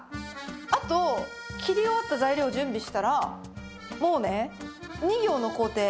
あと切り終わった材料を準備したらもうね２行の工程。